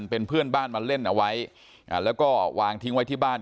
เป็นเพื่อนบ้านมาเล่นเอาไว้แล้วก็วางทิ้งไว้ที่บ้าน